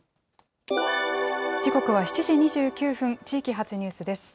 時刻は７時２９分、地域発ニュースです。